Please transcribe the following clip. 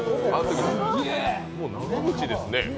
もう長渕ですね。